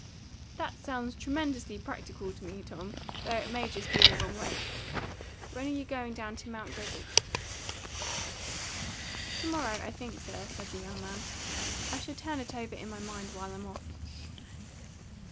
"That sounds tremendously practical to me, Tom, though it may be just the wrong way. When are you going down to Mount Desert?" "To morrow, I think, sir," said the young man. "I shall turn it over in my mind while I'm off."